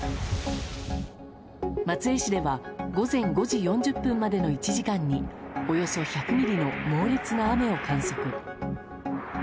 松江市では午前５時４０分までの１時間におよそ１００ミリの猛烈な雨を観測。